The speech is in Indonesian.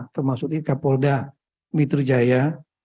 termasuk di kapolda mitrujaya